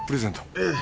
ええ。